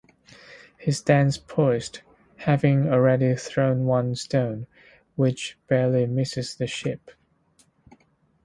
He stands poised, having already thrown one stone, which barely misses the ship.